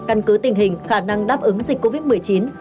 căn cứ tình hình khả năng đáp ứng dịch covid một mươi chín